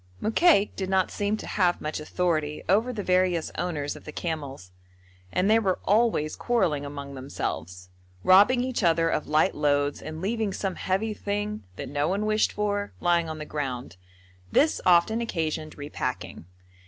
Mokaik did not seem to have much authority over the various owners of the camels, and they were always quarrelling among themselves, robbing each other of light loads and leaving some heavy thing, that no one wished for, lying on the ground; this often occasioned re packing.